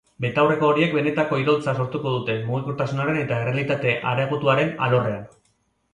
Betaurreko horiek benetako iraultza sortuko dute mugikortasunaren eta errealitate areagotuaren alorrean.